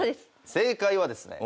正解はですね